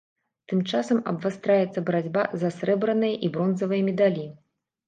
Тым часам абвастраецца барацьба за срэбраныя і бронзавыя медалі.